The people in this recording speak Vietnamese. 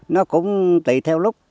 nó cũng tùy theo lúc